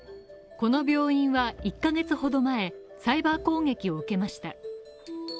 この病院は１ヶ月ほど前、サイバー攻撃を受けました。